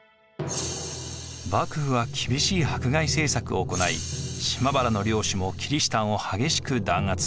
幕府は厳しい迫害政策を行い島原の領主もキリシタンを激しく弾圧。